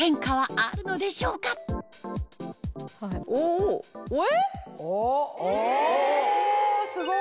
あすごい！